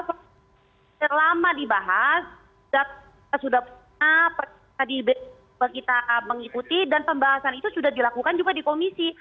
selama dibahas sudah pernah kita mengikuti dan pembahasan itu sudah dilakukan juga di komisi